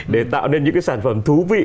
để tạo nên những cái sản phẩm thú vị